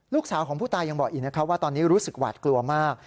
ลูกสาวของผู้ตายยังบอกอีกนะครับว่าตอนนี้รู้สึกหวาดกลัวมาก